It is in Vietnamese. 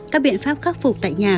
các biện pháp khắc phục tại nhà